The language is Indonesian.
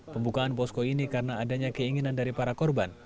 pembukaan posko ini karena adanya keinginan dari para korban